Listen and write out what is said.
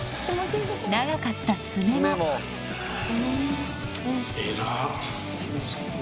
長かった爪も偉っ。